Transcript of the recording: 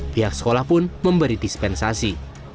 pihak sekolah pun memberi dispensasi